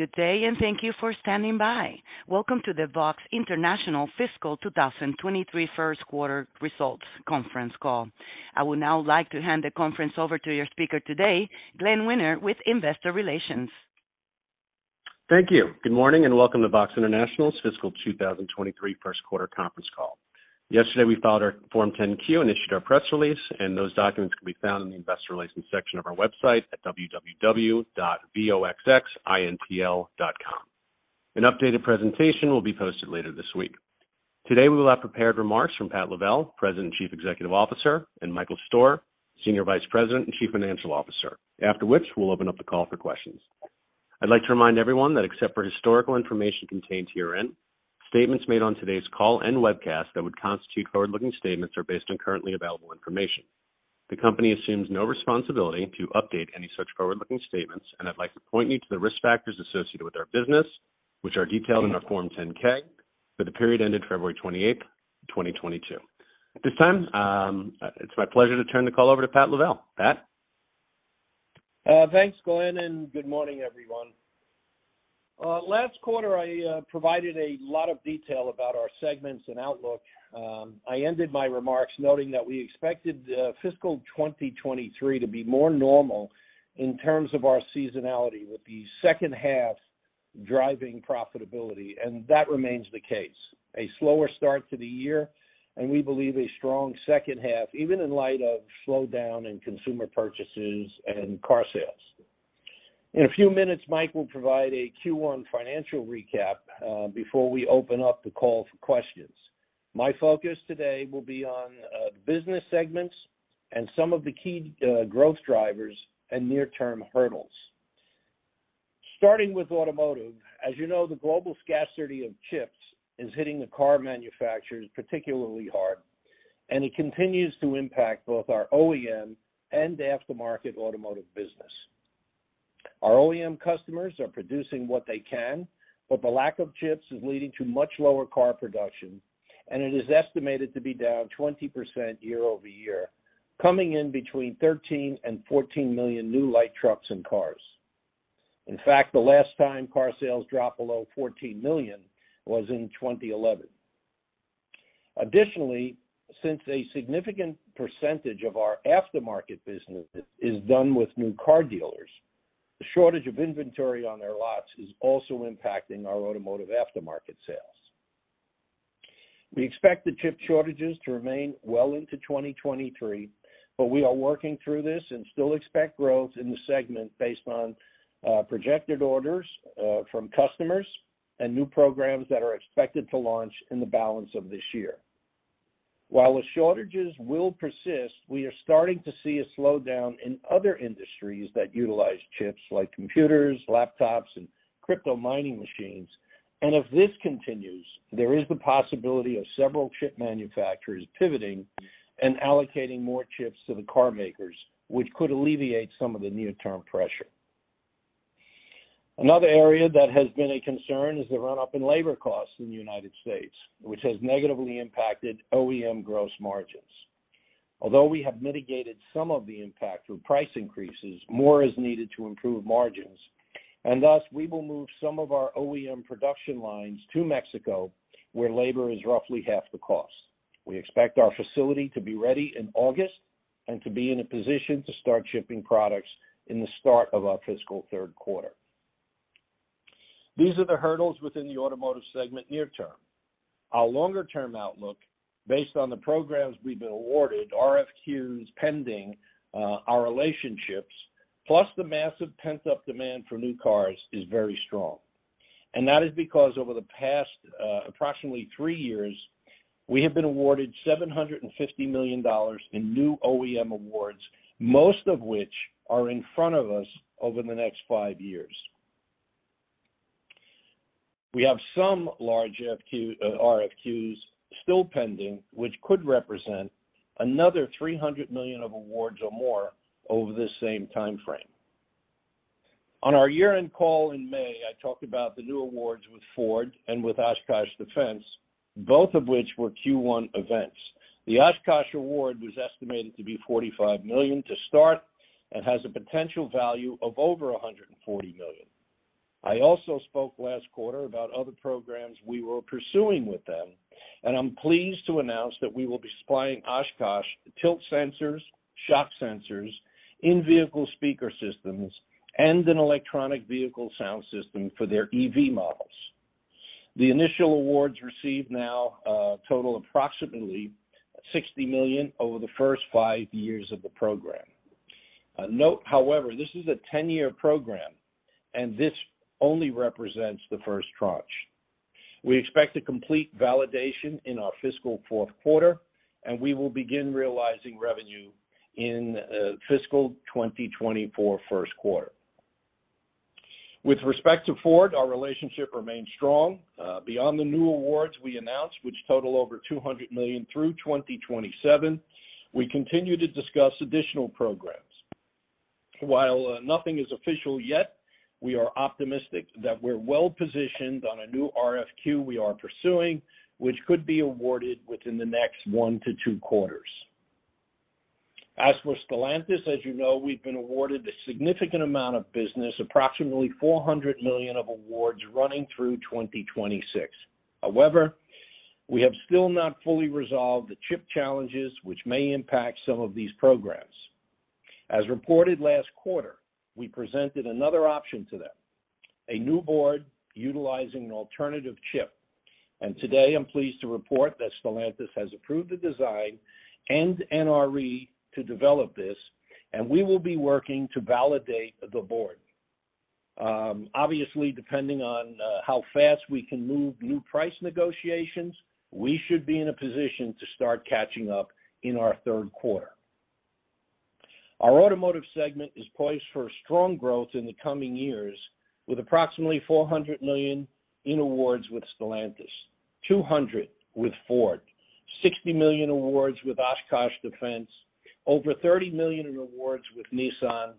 Good day, and thank you for standing by. Welcome to the VOXX International Fiscal 2023 First Quarter Results conference call. I would now like to hand the conference over to your speaker today, Glenn Wiener with Investor Relations. Thank you. Good morning, and welcome to VOXX International's Fiscal 2023 First Quarter conference call. Yesterday, we filed our Form 10-Q and issued our press release, and those documents can be found in the investor relations section of our website at www.voxxintl.com. An updated presentation will be posted later this week. Today, we will have prepared remarks from Pat Lavelle, President and Chief Executive Officer, and Michael Stoehr, Senior Vice President and Chief Financial Officer, after which we'll open up the call for questions. I'd like to remind everyone that except for historical information contained herein, statements made on today's call and webcast that would constitute forward-looking statements are based on currently available information. The company assumes no responsibility to update any such forward-looking statements, and I'd like to point you to the risk factors associated with our business, which are detailed in our Form 10-K for the period ending February 28th, 2022. At this time, it's my pleasure to turn the call over to Pat Lavelle. Pat? Thanks, Glenn, and good morning, everyone. Last quarter, I provided a lot of detail about our segments and outlook. I ended my remarks noting that we expected fiscal 2023 to be more normal in terms of our seasonality with the second half driving profitability, and that remains the case. A slower start to the year, and we believe a strong second half, even in light of slowdown in consumer purchases and car sales. In a few minutes, Mike will provide a Q1 financial recap before we open up the call for questions. My focus today will be on business segments and some of the key growth drivers and near-term hurdles. Starting with automotive, as you know, the global scarcity of chips is hitting the car manufacturers particularly hard, and it continues to impact both our OEM and aftermarket automotive business. Our OEM customers are producing what they can, but the lack of chips is leading to much lower car production, and it is estimated to be down 20% year-over-year, coming in between 13 and 14 million new light trucks and cars. In fact, the last time car sales dropped below 14 million was in 2011. Additionally, since a significant percentage of our aftermarket business is done with new car dealers, the shortage of inventory on their lots is also impacting our automotive aftermarket sales. We expect the chip shortages to remain well into 2023, but we are working through this and still expect growth in the segment based on projected orders from customers and new programs that are expected to launch in the balance of this year. While the shortages will persist, we are starting to see a slowdown in other industries that utilize chips like computers, laptops, and crypto mining machines. If this continues, there is the possibility of several chip manufacturers pivoting and allocating more chips to the car makers, which could alleviate some of the near-term pressure. Another area that has been a concern is the run-up in labor costs in the United States, which has negatively impacted OEM gross margins. Although we have mitigated some of the impact through price increases, more is needed to improve margins, and thus, we will move some of our OEM production lines to Mexico, where labor is roughly half the cost. We expect our facility to be ready in August and to be in a position to start shipping products in the start of our fiscal third quarter. These are the hurdles within the automotive segment near term. Our longer-term outlook, based on the programs we've been awarded, RFQs pending, our relationships, plus the massive pent-up demand for new cars is very strong. That is because over the past, approximately three years, we have been awarded $750 million in new OEM awards, most of which are in front of us over the next five years. We have some large RFQs still pending, which could represent another $300 million of awards or more over this same timeframe. On our year-end call in May, I talked about the new awards with Ford and with Oshkosh Defense, both of which were Q1 events. The Oshkosh award was estimated to be $45 million to start and has a potential value of over $140 million. I also spoke last quarter about other programs we were pursuing with them, and I'm pleased to announce that we will be supplying Oshkosh tilt sensors, shock sensors, in-vehicle speaker systems, and an electric vehicle sound system for their EV models. The initial awards received now total approximately $60 million over the first five years of the program. Note, however, this is a 10-year program, and this only represents the first tranche. We expect to complete validation in our fiscal fourth quarter, and we will begin realizing revenue in fiscal 2024 first quarter. With respect to Ford, our relationship remains strong. Beyond the new awards we announced, which total over $200 million through 2027, we continue to discuss additional programs. While nothing is official yet, we are optimistic that we're well positioned on a new RFQ we are pursuing, which could be awarded within the next one to two quarters. As for Stellantis, as you know, we've been awarded a significant amount of business, approximately $400 million of awards running through 2026. However, we have still not fully resolved the chip challenges which may impact some of these programs. As reported last quarter, we presented another option to them, a new board utilizing an alternative chip. Today I'm pleased to report that Stellantis has approved the design and NRE to develop this, and we will be working to validate the board. Obviously, depending on how fast we can move new price negotiations, we should be in a position to start catching up in our third quarter. Our automotive segment is poised for a strong growth in the coming years with approximately $400 million in awards with Stellantis, $200 million with Ford, $60 million awards with Oshkosh Defense, over $30 million in awards with Nissan,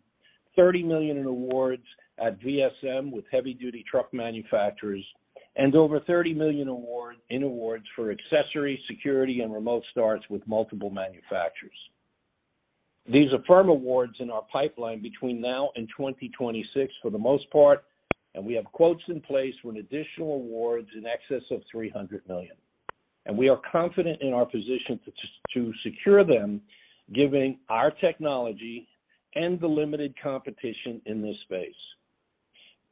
$30 million in awards at VSM with heavy-duty truck manufacturers, and over $30 million in awards for accessories, security, and remote starts with multiple manufacturers. These are firm awards in our pipeline between now and 2026, for the most part, and we have quotes in place for an additional awards in excess of $300 million. We are confident in our position to secure them, given our technology and the limited competition in this space.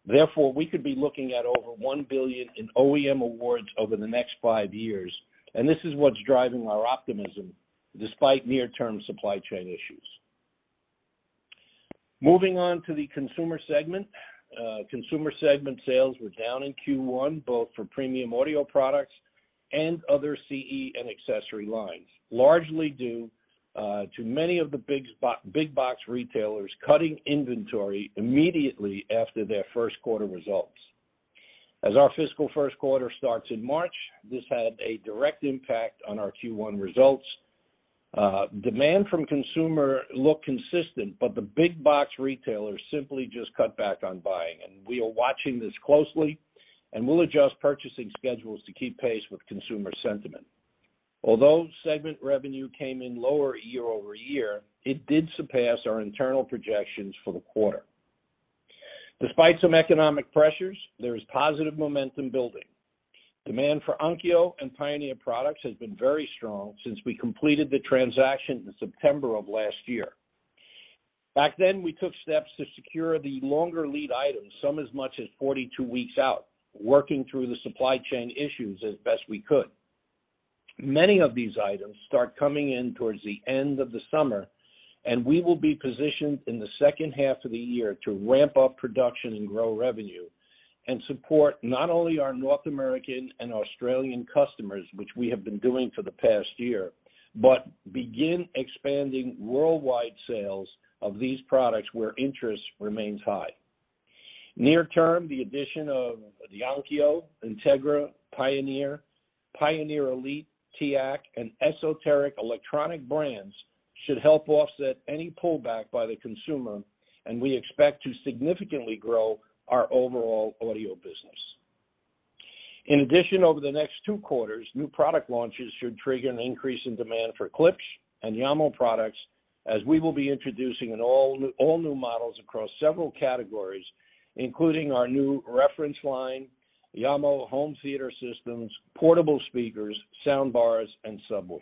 Therefore, we could be looking at over $1 billion in OEM awards over the next five years, and this is what's driving our optimism despite near-term supply chain issues. Moving on to the consumer segment. Consumer segment sales were down in Q1, both for premium audio products and other CE and accessory lines, largely due to many of the big-box retailers cutting inventory immediately after their first quarter results. As our fiscal first quarter starts in March, this had a direct impact on our Q1 results. Demand from consumers looks consistent, but the big-box retailers simply just cut back on buying, and we are watching this closely, and we'll adjust purchasing schedules to keep pace with consumer sentiment. Although segment revenue came in lower year-over-year, it did surpass our internal projections for the quarter. Despite some economic pressures, there is positive momentum building. Demand for Onkyo and Pioneer products has been very strong since we completed the transaction in September of last year. Back then, we took steps to secure the longer lead items, some as much as 42 weeks out, working through the supply chain issues as best we could. Many of these items start coming in towards the end of the summer, and we will be positioned in the second half of the year to ramp up production and grow revenue and support not only our North American and Australian customers, which we have been doing for the past year, but begin expanding worldwide sales of these products where interest remains high. Near term, the addition of the Onkyo, Integra, Pioneer Elite, TEAC, and Esoteric electronic brands should help offset any pullback by the consumer, and we expect to significantly grow our overall audio business. In addition, over the next two quarters, new product launches should trigger an increase in demand for Klipsch and Jamo products as we will be introducing all new models across several categories, including our new reference line, Jamo home theater systems, portable speakers, sound bars, and subwoofers.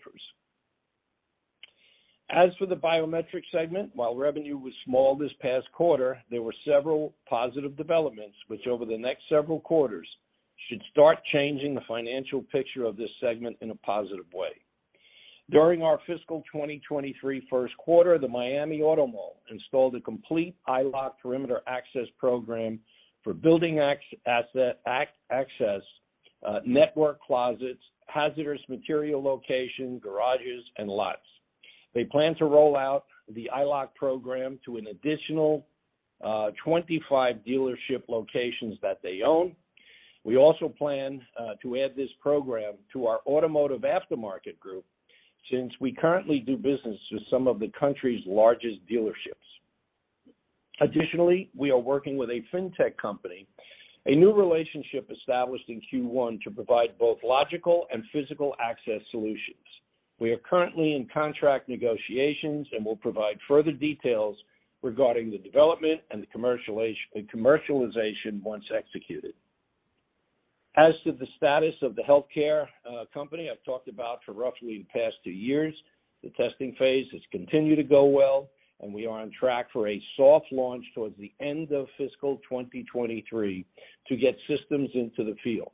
As for the biometric segment, while revenue was small this past quarter, there were several positive developments, which over the next several quarters should start changing the financial picture of this segment in a positive way. During our fiscal 2023 first quarter, the Miami Auto Mall installed a complete EyeLock perimeter access program for building access, asset access, network closets, hazardous material location, garages, and lots. They plan to roll out the EyeLock program to an additional 25 dealership locations that they own. We also plan to add this program to our automotive aftermarket group since we currently do business with some of the country's largest dealerships. Additionally, we are working with a fintech company, a new relationship established in Q1 to provide both logical and physical access solutions. We are currently in contract negotiations and will provide further details regarding the development and the commercialization once executed. As to the status of the healthcare company I've talked about for roughly the past two years, the testing phase has continued to go well, and we are on track for a soft launch towards the end of fiscal 2023 to get systems into the field.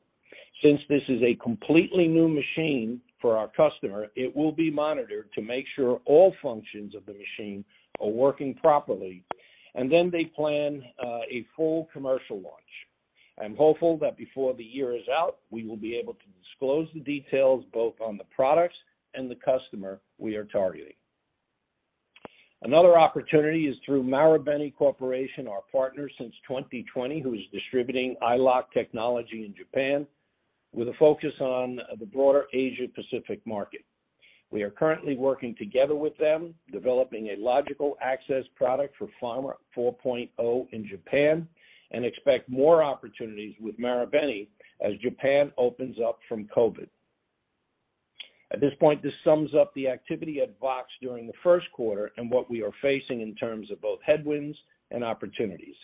Since this is a completely new machine for our customer, it will be monitored to make sure all functions of the machine are working properly, and then they plan a full commercial launch. I'm hopeful that before the year is out, we will be able to disclose the details both on the products and the customer we are targeting. Another opportunity is through Marubeni Corporation, our partner since 2020, who is distributing EyeLock technology in Japan with a focus on the broader Asia-Pacific market. We are currently working together with them, developing a logical access product for Pharma 4.0 in Japan, and expect more opportunities with Marubeni as Japan opens up from COVID. At this point, this sums up the activity at VOXX during the first quarter and what we are facing in terms of both headwinds and opportunities.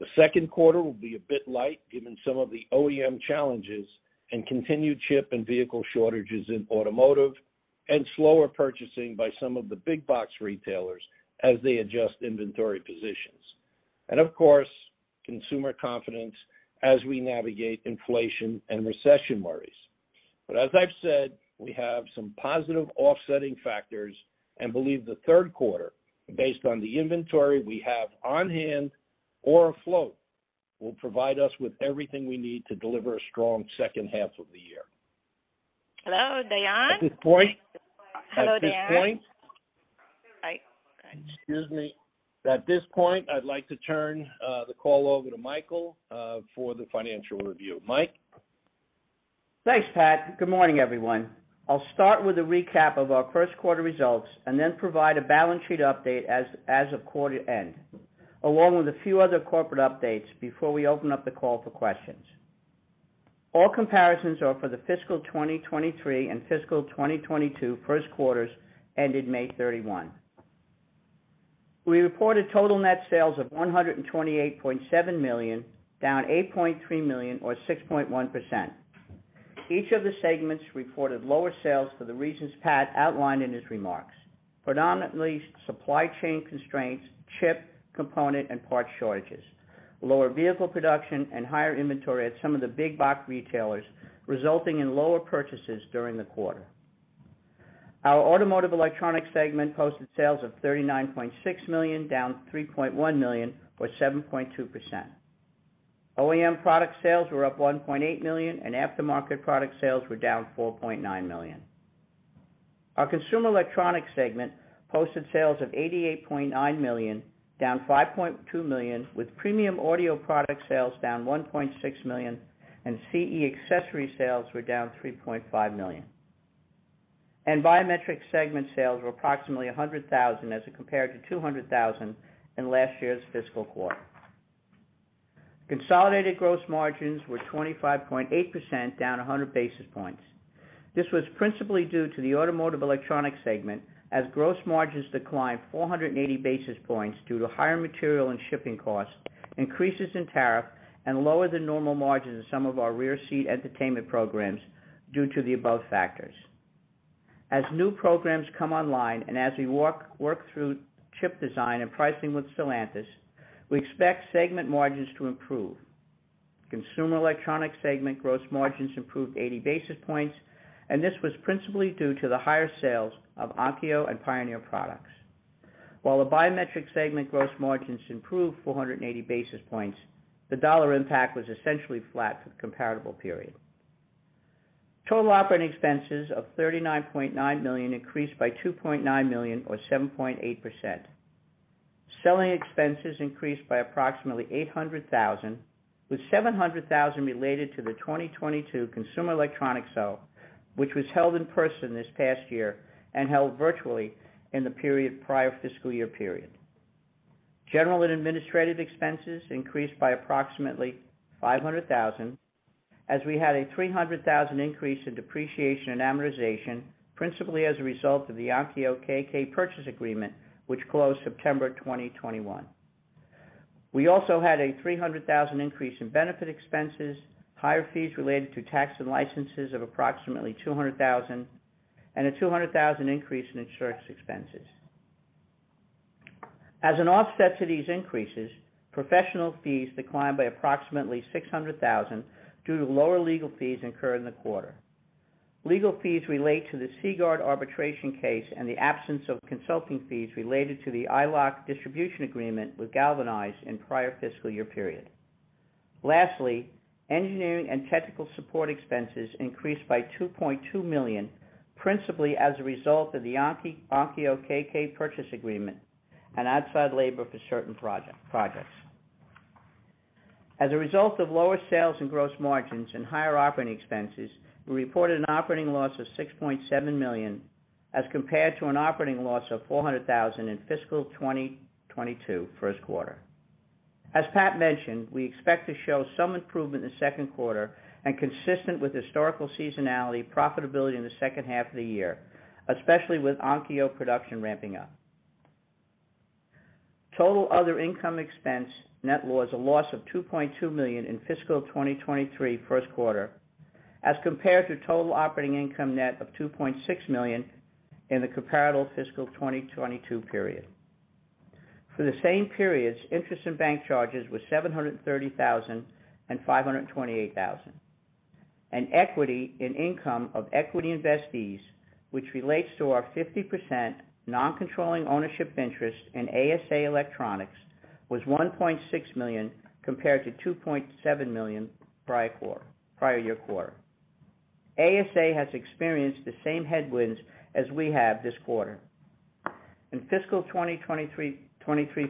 The second quarter will be a bit light given some of the OEM challenges and continued chip and vehicle shortages in automotive and slower purchasing by some of the big-box retailers as they adjust inventory positions. Of course, consumer confidence as we navigate inflation and recession worries. As I've said, we have some positive offsetting factors and believe the third quarter, based on the inventory we have on hand or afloat, will provide us with everything we need to deliver a strong second half of the year. Hello, Diane? At this point- Hello, Diane? At this point, I'd like to turn the call over to Michael for the financial review. Mike? Thanks, Pat. Good morning, everyone. I'll start with a recap of our first quarter results and then provide a balance sheet update as of quarter end, along with a few other corporate updates before we open up the call for questions. All comparisons are for the fiscal 2023 and fiscal 2022 first quarters ended May 31. We reported total net sales of $128.7 million, down $8.3 million or 6.1%. Each of the segments reported lower sales for the reasons Pat outlined in his remarks. Predominantly, supply chain constraints, chip, component, and part shortages, lower vehicle production, and higher inventory at some of the big-box retailers, resulting in lower purchases during the quarter. Our automotive electronics segment posted sales of $39.6 million, down $3.1 million, or 7.2%. OEM product sales were up $1.8 million, and aftermarket product sales were down $4.9 million. Our consumer electronics segment posted sales of $88.9 million, down $5.2 million, with premium audio product sales down $1.6 million, and CE accessory sales were down $3.5 million. Biometrics segment sales were approximately $100,000 as it compared to $200,000 in last year's fiscal quarter. Consolidated gross margins were 25.8%, down 100 basis points. This was principally due to the automotive electronics segment, as gross margins declined 480 basis points due to higher material and shipping costs, increases in tariff, and lower than normal margins in some of our rear seat entertainment programs due to the above factors. As new programs come online, and as we work through chip design and pricing with Stellantis, we expect segment margins to improve. Consumer electronics segment gross margins improved 80 basis points, and this was principally due to the higher sales of Onkyo and Pioneer products. While the biometrics segment gross margins improved 480 basis points, the dollar impact was essentially flat for the comparable period. Total operating expenses of $39.9 million increased by $2.9 million or 7.8%. Selling expenses increased by approximately $800,000, with $700,000 related to the 2022 Consumer Electronics Show, which was held in person this past year and held virtually in the prior fiscal year period. General and administrative expenses increased by approximately $500,000, as we had a $300,000 increase in depreciation and amortization, principally as a result of the Onkyo KK purchase agreement, which closed September 2021. We also had a $300,000 increase in benefit expenses, higher fees related to tax and licenses of approximately $200,000, and a $200,000 increase in insurance expenses. As an offset to these increases, professional fees declined by approximately $600,000 due to lower legal fees incurred in the quarter. Legal fees relate to the Seaguard arbitration case and the absence of consulting fees related to the EyeLock distribution agreement with GalvanEyes in prior fiscal year period. Lastly, engineering and technical support expenses increased by $2.2 million, principally as a result of the Onkyo KK purchase agreement and outside labor for certain projects. As a result of lower sales and gross margins and higher operating expenses, we reported an operating loss of $6.7 million, as compared to an operating loss of $400,000 in fiscal 2022 first quarter. As Pat mentioned, we expect to show some improvement in the second quarter and consistent with historical seasonality profitability in the second half of the year, especially with Onkyo production ramping up. Total other income/expense, net was a loss of $2.2 million in fiscal 2023 first quarter as compared to total other income/expense, net of $2.6 million in the comparable fiscal 2022 period. For the same periods, interest and bank charges was $730,000 and $528,000. Equity and income of equity investees, which relates to our 50% non-controlling ownership interest in ASA Electronics, was $1.6 million compared to $2.7 million prior year quarter. ASA has experienced the same headwinds as we have this quarter. In fiscal 2023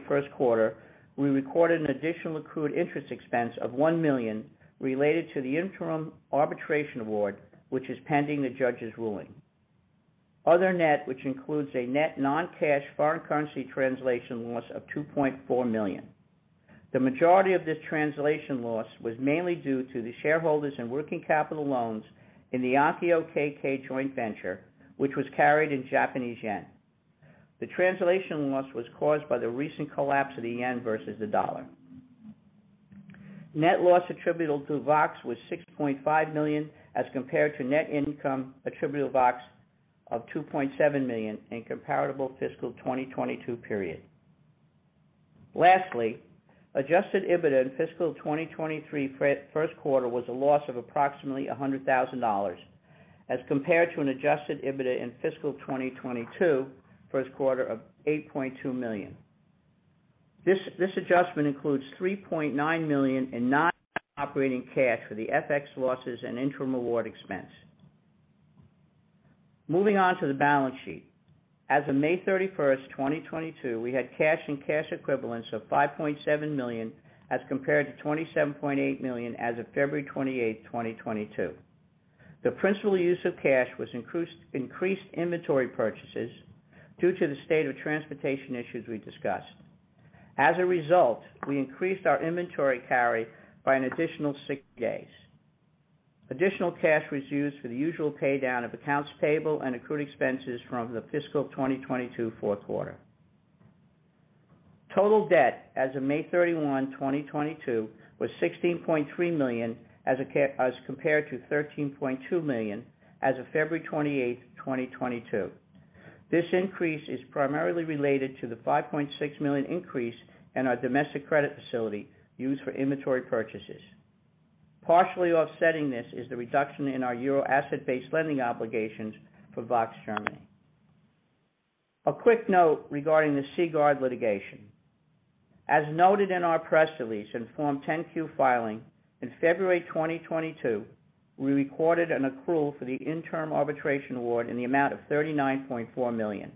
first quarter, we recorded an additional accrued interest expense of $1 million related to the interim arbitration award, which is pending the judge's ruling. Other net, which includes a net non-cash foreign currency translation loss of $2.4 million. The majority of this translation loss was mainly due to the shareholders and working capital loans in the Onkyo KK joint venture, which was carried in Japanese yen. The translation loss was caused by the recent collapse of the yen versus the dollar. Net loss attributable to VOXX was $6.5 million, as compared to net income attributable to VOXX of $2.7 million in comparable fiscal 2022 period. Lastly, adjusted EBITDA in fiscal 2023 first quarter was a loss of approximately $100,000 as compared to an adjusted EBITDA in fiscal 2022 first quarter of $8.2 million. This adjustment includes $3.9 million in non-operating costs for the FX losses and interim award expense. Moving on to the balance sheet. As of May 31st, 2022, we had cash and cash equivalents of $5.7 million as compared to $27.8 million as of February 28th, 2022. The principal use of cash was increased inventory purchases due to the state of transportation issues we discussed. As a result, we increased our inventory carry by an additional six days. Additional cash was used for the usual pay down of accounts payable and accrued expenses from the fiscal 2022 fourth quarter. Total debt as of May 31, 2022 was $16.3 million as compared to $13.2 million as of February 28, 2022. This increase is primarily related to the $5.6 million increase in our domestic credit facility used for inventory purchases. Partially offsetting this is the reduction in our Euro asset-based lending obligations for VOXX Germany. A quick note regarding the Seaguard litigation. As noted in our press release and Form 10-Q filing, in February 2022, we recorded an accrual for the interim arbitration award in the amount of $39.4 million.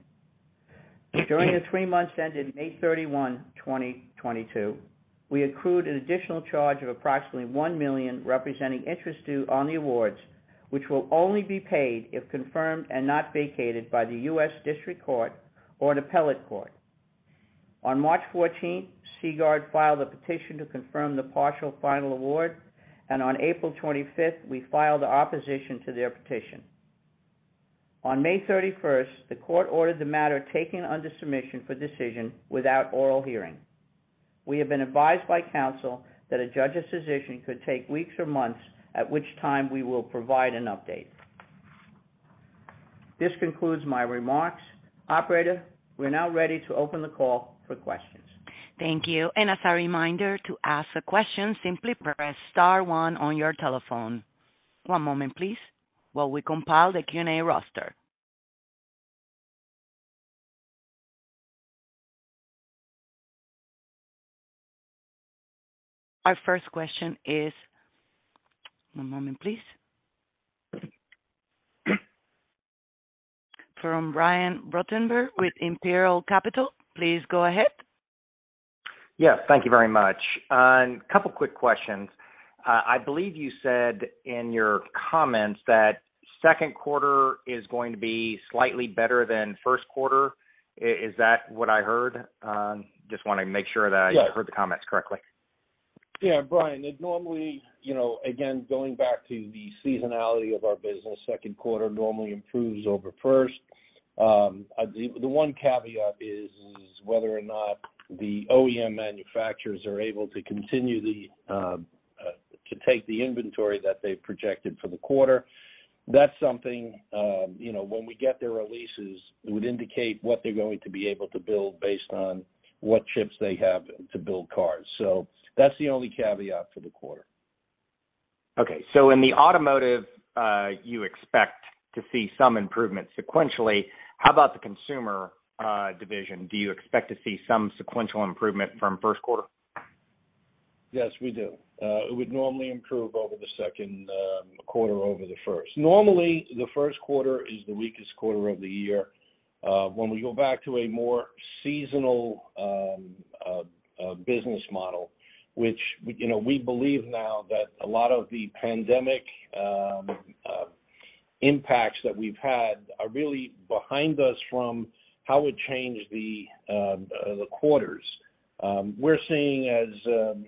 During the three months that ended May 31, 2022, we accrued an additional charge of approximately $1 million, representing interest due on the awards, which will only be paid if confirmed and not vacated by the U.S. District Court or an appellate court. On March 14th, Seaguard filed a petition to confirm the partial final award, and on April 25th, we filed our opposition to their petition. On May 31st, the court ordered the matter taken under submission for decision without oral hearing. We have been advised by counsel that a judge's decision could take weeks or months, at which time we will provide an update. This concludes my remarks. Operator, we're now ready to open the call for questions. Thank you. As a reminder to ask a question, simply press star one on your telephone. One moment please, while we compile the Q&A roster. Our first question is... One moment, please. From Brian Ruttenbur with Imperial Capital. Please go ahead. Yes, thank you very much. Couple quick questions. I believe you said in your comments that second quarter is going to be slightly better than first quarter. Is that what I heard? Just wanna make sure that I heard the comments correctly. Yeah, Brian, it normally, you know, again, going back to the seasonality of our business, second quarter normally improves over first. The one caveat is whether or not the OEM manufacturers are able to continue to take the inventory that they've projected for the quarter. That's something, you know, when we get their releases, it would indicate what they're going to be able to build based on what chips they have to build cars. That's the only caveat for the quarter. Okay. In the automotive, you expect to see some improvement sequentially. How about the consumer division? Do you expect to see some sequential improvement from first quarter? Yes, we do. It would normally improve over the second quarter over the first. Normally, the first quarter is the weakest quarter of the year. When we go back to a more seasonal business model, which we, you know, we believe now that a lot of the pandemic impacts that we've had are really behind us from how it changed the quarters. We're seeing as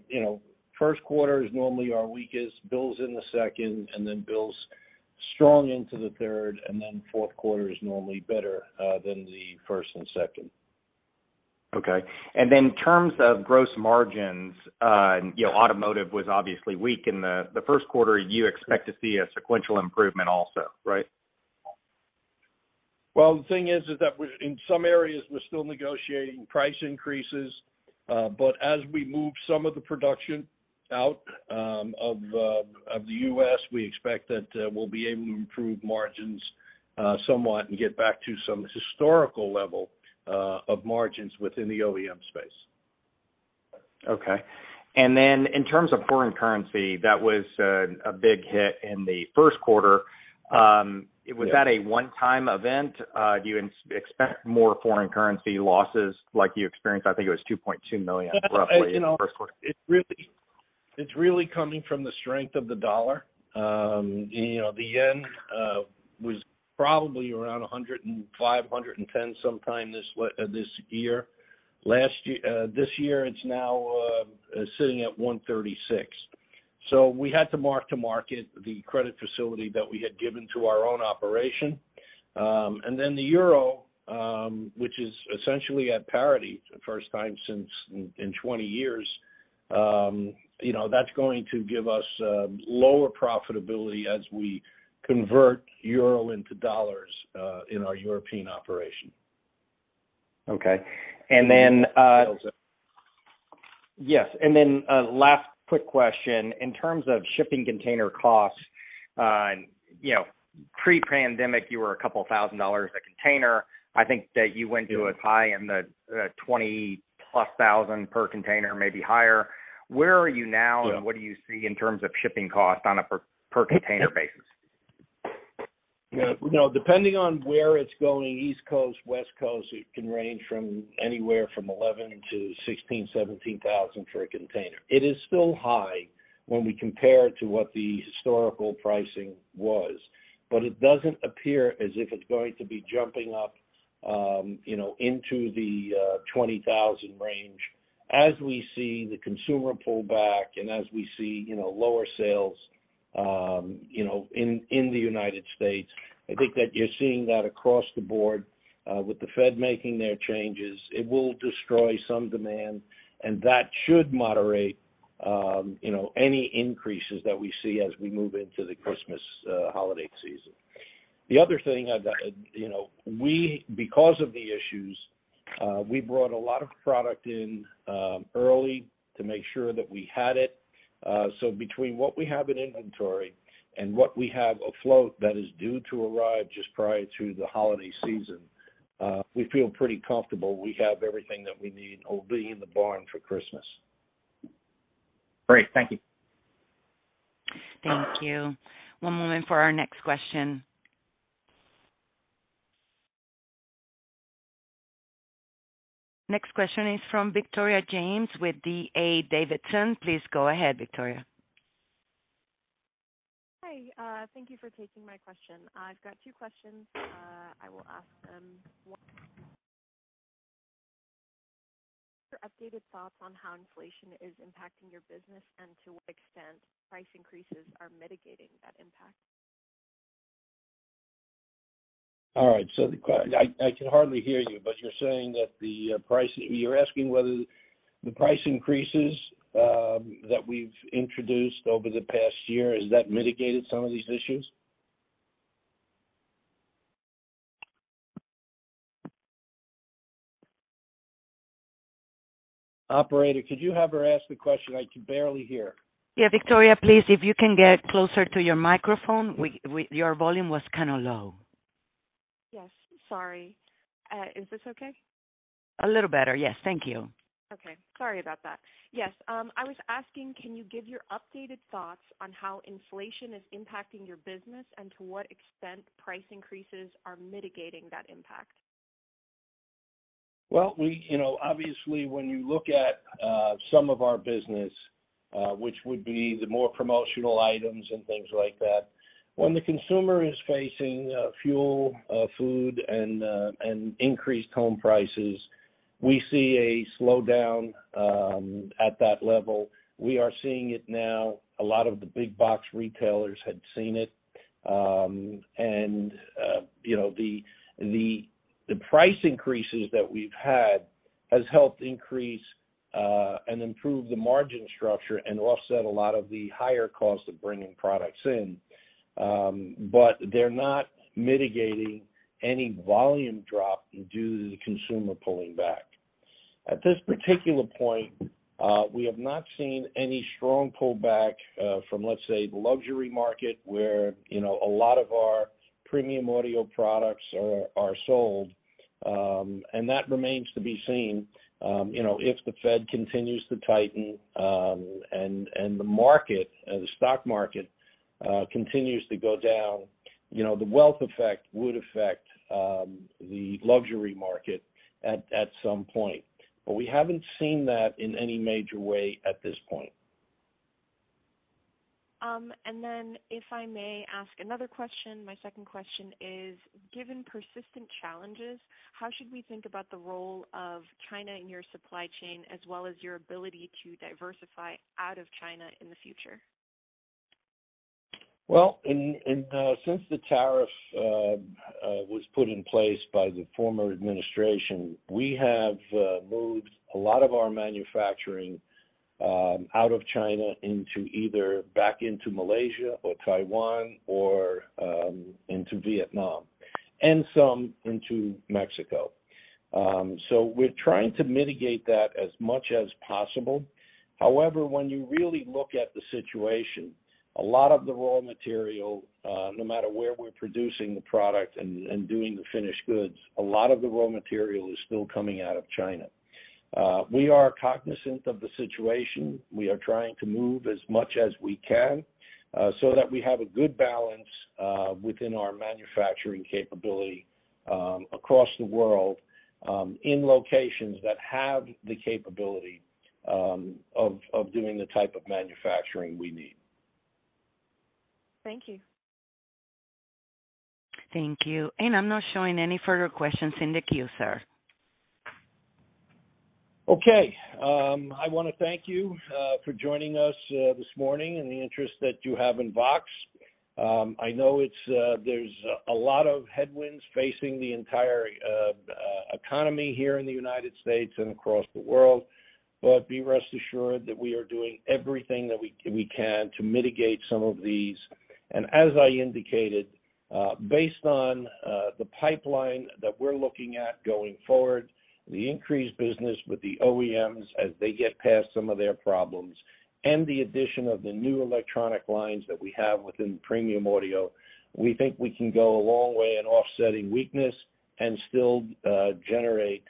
you know, first quarter is normally our weakest, builds in the second, and then builds strong into the third, and then fourth quarter is normally better than the first and second. Okay. In terms of gross margins, you know, automotive was obviously weak in the first quarter. You expect to see a sequential improvement also, right? Well, the thing is that in some areas, we're still negotiating price increases, but as we move some of the production out of the U.S., we expect that we'll be able to improve margins somewhat and get back to some historical level of margins within the OEM space. Okay. In terms of foreign currency, that was a big hit in the first quarter. Yeah. Was that a one-time event? Do you expect more foreign currency losses like you experienced, I think it was $2.2 million roughly in the first quarter? It's really coming from the strength of the dollar. You know, the yen was probably around 105-110 sometime this year. This year, it's now sitting at 136. We had to mark-to-market the credit facility that we had given to our own operation. And then the euro, which is essentially at parity for the first time since in 20 years, you know, that's going to give us lower profitability as we convert euro into dollars in our European operation. Last quick question. In terms of shipping container costs, and, you know, pre-pandemic, you were a couple thousand dollars a container. I think that you went to as high as the 20,000+ per container, maybe higher. Where are you now? Yeah. What do you see in terms of shipping costs on a per container basis? You know, depending on where it's going, East Coast, West Coast, it can range from anywhere from $11,000-$17,000 for a container. It is still high when we compare it to what the historical pricing was, but it doesn't appear as if it's going to be jumping up, you know, into the $20,000 range. As we see the consumer pull back and as we see, you know, lower sales, you know, in the United States, I think that you're seeing that across the board, with Federal Reserve making their changes, it will destroy some demand, and that should moderate, you know, any increases that we see as we move into the Christmas holiday season. The other thing, you know, because of the issues, we brought a lot of product in early to make sure that we had it. Between what we have in inventory and what we have afloat that is due to arrive just prior to the holiday season, we feel pretty comfortable we have everything that we need. It'll be in the barn for Christmas. Great. Thank you. Thank you. One moment for our next question. Next question is from Victoria James with D.A. Davidson. Please go ahead, Victoria. Hi. Thank you for taking my question. I've got two questions. I will ask them one, your updated thoughts on how inflation is impacting your business, and to what extent price increases are mitigating that impact. All right. I can hardly hear you, but you're saying that the price. You're asking whether the price increases that we've introduced over the past year, has that mitigated some of these issues? Operator, could you have her ask the question? I can barely hear. Yeah. Victoria, please, if you can get closer to your microphone. Your volume was kinda low. Yes. Sorry. Is this okay? A little better. Yes. Thank you. Okay. Sorry about that. Yes. I was asking, can you give your updated thoughts on how inflation is impacting your business and to what extent price increases are mitigating that impact? Well, we, you know, obviously, when you look at some of our business, which would be the more promotional items and things like that, when the consumer is facing fuel, food, and increased home prices, we see a slowdown at that level. We are seeing it now. A lot of the big-box retailers had seen it. The price increases that we've had has helped increase and improve the margin structure and offset a lot of the higher costs of bringing products in. They're not mitigating any volume drop due to the consumer pulling back. At this particular point, we have not seen any strong pullback from, let's say, the luxury market where, you know, a lot of our premium audio products are sold, and that remains to be seen. You know, if Federal Reserve continues to tighten, and the market, the stock market, continues to go down, you know, the wealth effect would affect the luxury market at some point. We haven't seen that in any major way at this point. If I may ask another question, my second question is, given persistent challenges, how should we think about the role of China in your supply chain as well as your ability to diversify out of China in the future? Well, in since the tariff was put in place by the former administration, we have moved a lot of our manufacturing out of China into either back into Malaysia or Taiwan or into Vietnam, and some into Mexico. We're trying to mitigate that as much as possible. However, when you really look at the situation, a lot of the raw material, no matter where we're producing the product and doing the finished goods, a lot of the raw material is still coming out of China. We are cognizant of the situation. We are trying to move as much as we can so that we have a good balance within our manufacturing capability across the world in locations that have the capability of doing the type of manufacturing we need. Thank you. Thank you. I'm not showing any further questions in the queue, sir. Okay. I want to thank you for joining us this morning and the interest that you have in VOXX. I know there's a lot of headwinds facing the entire economy here in the United States and across the world. Be rest assured that we are doing everything that we can to mitigate some of these. As I indicated, based on the pipeline that we're looking at going forward, the increased business with the OEMs as they get past some of their problems, and the addition of the new electronic lines that we have within premium audio, we think we can go a long way in offsetting weakness and still generate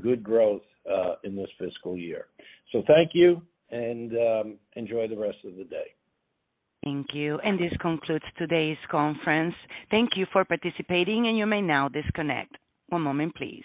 good growth in this fiscal year. Thank you, and enjoy the rest of the day. Thank you. This concludes today's conference. Thank you for participating, and you may now disconnect. One moment, please.